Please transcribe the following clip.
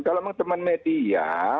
kalau memang teman media